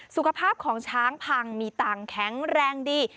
สุขภาพของช้างพังมีตังค์แข็งแรงดี